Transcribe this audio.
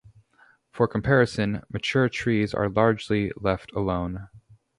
For comparison, mature trees are largely left alone.